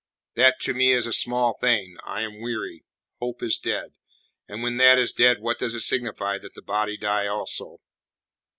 That to me is a small thing. I am weary. Hope is dead; and when that is dead what does it signify that the body die also?